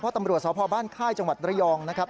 เพราะตำรวจสาวพ่อบ้านค่ายจังหวัดระยองนะครับ